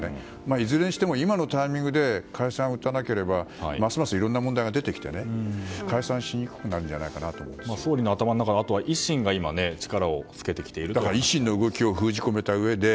いずれにしても今のタイミングで解散を打たなければますますいろんな問題が出てきて解散しにくくなるんじゃないかと総理の頭の中では維新の動きを封じ込めたうえで。